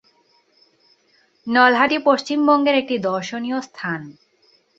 নলহাটি পশ্চিমবঙ্গের একটি দর্শনীয় স্থান।